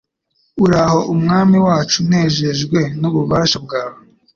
Uhoraho umwami wacu anejejwe n’ububasha bwawe